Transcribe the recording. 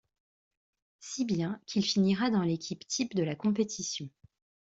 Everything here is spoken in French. Si bien qu'il finira dans l'équipe type de la compétition.